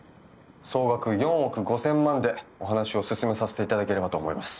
総額４億５，０００万でお話を進めさせていただければと思います。